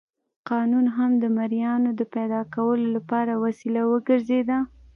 قانون هم د مریانو د پیدا کولو لپاره وسیله وګرځېده.